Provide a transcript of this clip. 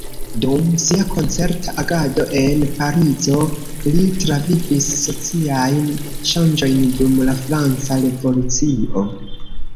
Dum sia koncerta agado en Parizo li travivis sociajn ŝanĝojn dum la franca revolucio.